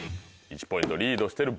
１ポイントリードしてる